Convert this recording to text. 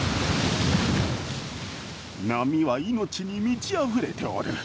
波は命に満ちあふれておる。